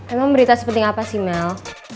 emang berita sepenting apa sih mel